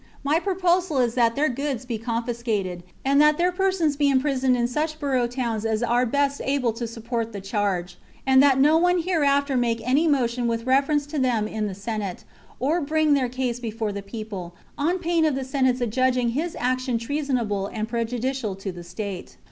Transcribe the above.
My pro posal is that their goods be confiscated, and that their persons be imprisoned in such borough towns as are ' best able to support the charge, and that no one here after make any motion with reference to them in the Senate, or bring their case before the people, on pain of the Senate's adjudging his action treasonable and prejudicial to the State."